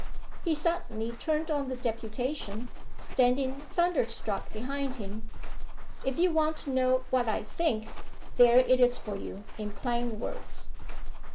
He suddenly turned on the deputation, standing thunder struck behind him. "If you want to know what I think, there it is for you, in plain words."